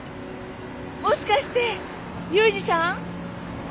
もしかして裕二さん？